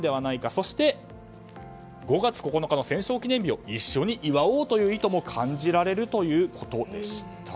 そして５月９日の戦勝記念日を一緒に祝おうという意図も感じられるということでした。